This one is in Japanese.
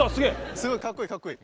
すごいかっこいいかっこいい。